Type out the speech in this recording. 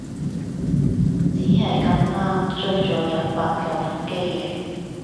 只係咁啱追咗個有八舊腹肌嘅